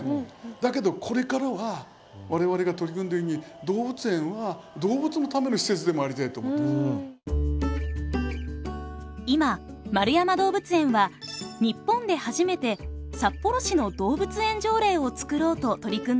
だけどこれからは我々が取り組んでるように今円山動物園は日本で初めて札幌市の動物園条例を作ろうと取り組んでいます。